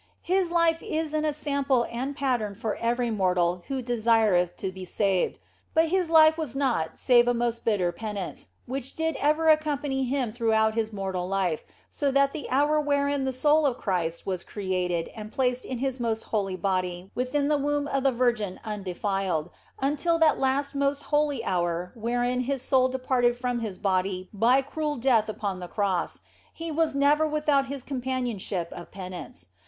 His life is an ensample and a pattern for every mortal who desireth to be saved. But His life was naught save a most bitter penance, which did ever accompany Him throughout His mortal life, so that from the hour wherein the soul of Christ was created and placed in His most holy body within the womb of the Virgin undefiled, until that 54 THE BLESSED ANGELA last most holy hour wherein His soul departed from His body by cruel death upon the Cross, He was never without this companionship of penance.